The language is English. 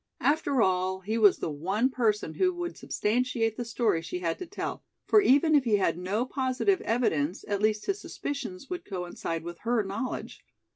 After all he was the one person who would substantiate the story she had to tell, for even if he had no positive evidence at least his suspicions would coincide with her knowledge.